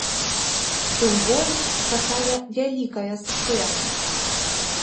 Тым больш, такая вялікая сцэна.